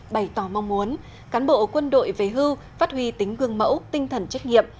bày tỏ mong muốn cán bộ quân đội về hưu phát huy tính gương mẫu tinh thần trách nhiệm